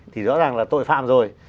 thì rõ ràng là tội phạm rồi